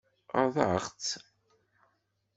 Ɣaḍeɣ-tt?